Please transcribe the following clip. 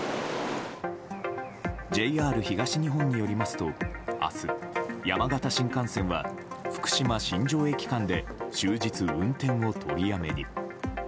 ＪＲ東日本によりますと明日、山形新幹線は福島新庄駅間で終日運転を取りやめに。